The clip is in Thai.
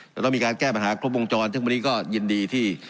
เราต้องมีการแก้ปัญหาครบวงจรซึ่งวันนี้ก็ยินดีที่